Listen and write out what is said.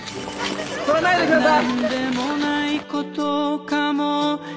撮らないでください。